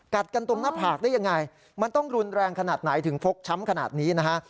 กันตรงหน้าผากได้ยังไงมันต้องรุนแรงขนาดไหนถึงฟกช้ำขนาดนี้นะฮะ